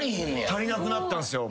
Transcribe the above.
足りなくなったんすよ。